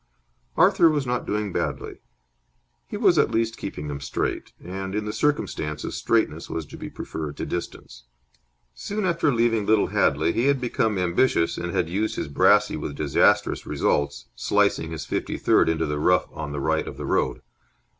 Arthur was not doing badly. He was at least keeping them straight. And in the circumstances straightness was to be preferred to distance. Soon after leaving Little Hadley he had become ambitious and had used his brassey with disastrous results, slicing his fifty third into the rough on the right of the road.